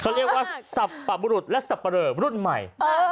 เขาเรียกว่าสับปะบุรุษและสับปะเรอรุ่นใหม่